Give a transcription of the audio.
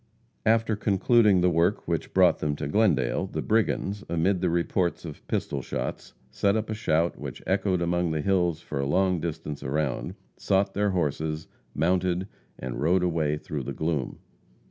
After concluding the work which brought them to Glendale, the brigands, amid the reports of pistol shots, set up a shout which echoed among the hills for a long distance around, sought their horses, mounted, and rode away through the gloom.